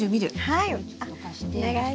これちょっとどかして。